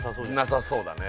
なさそうだね